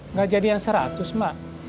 nggak jadi yang seratus mbak